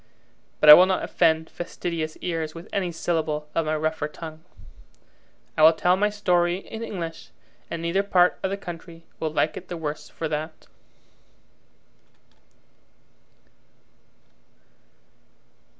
But I will not offend fastidious ears with any syllable of my rougher tongue. I will tell my story in English, and neither part of the country will like it the worse for that.